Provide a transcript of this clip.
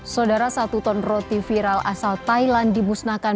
saudara satu ton roti viral asal thailand dimusnahkan